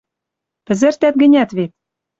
Пӹзӹртӓт гӹнят вет